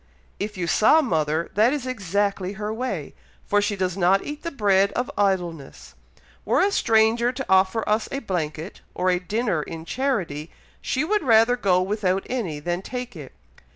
"If you saw mother, that is exactly her way, for she does not eat the bread of idleness. Were a stranger to offer us a blanket or a dinner in charity, she would rather go without any than take it.